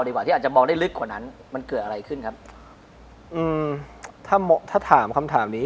ดีกว่าที่อาจจะบอกได้ลึกกว่านั้นมันเกิดอะไรขึ้นครับถ้าถามคำถามนี้